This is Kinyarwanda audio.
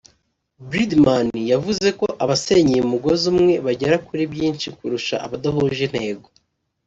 Birdman yavuze ko abasenyeye umugozi umwe bagera kuri byinshi kurusha abadahuje intego